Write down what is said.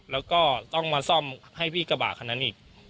แล้วก็ต้องมาซ่อมให้พี่กระบะคนนั้นอีก